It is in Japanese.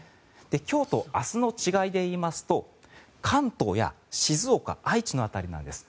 今日と明日の違いで言いますと関東や静岡愛知の辺りなんです。